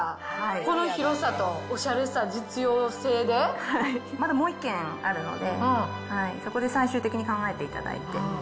この広さとおしゃれさ、まだもう１軒あるので、そこで最終的に考えていただいて。